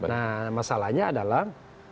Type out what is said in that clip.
nah masalahnya adalah